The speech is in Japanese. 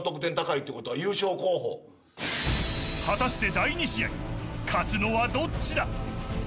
果たして第２試合勝つのはどっちだ。